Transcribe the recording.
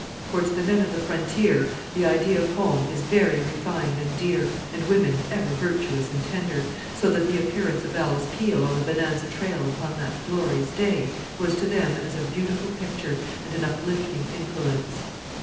For to the men of the frontier the idea of home is very refined and dear, and women ever virtuous and tender, so that the appearance of Alice Peel, on the Bonanza trail upon that glorious day, was to them as a beautiful picture and an uplifting influence.